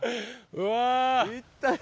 うわ。